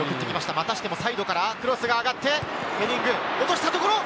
サイドからクロスが上がって、ヘディング落としたところ。